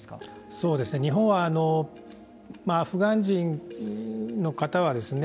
そうですね日本はアフガン人の方はですね